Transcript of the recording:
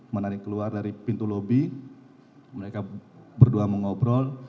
menarik keluar dari pintu lobby mereka berdua mengobrol